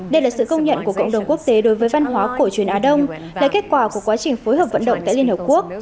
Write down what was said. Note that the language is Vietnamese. đây là sự công nhận của cộng đồng quốc tế đối với văn hóa cổ truyền á đông là kết quả của quá trình phối hợp vận động tại liên hợp quốc